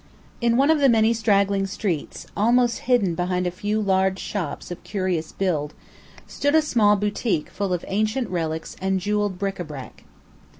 In one of the many straggling streets, almost hidden behind a few large shops of curious build, stood a small boutique full of ancient relics and jeweled bric a brac.